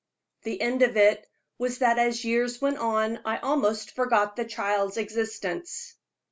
The end of it was that as years went on I almost forgot the child's existence."